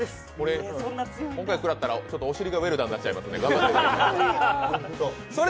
今回食らったらお尻がウェルダンになっちゃいますんで。